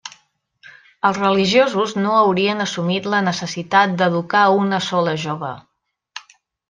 Els religiosos no haurien assumit la necessitat d'educar a una sola jove.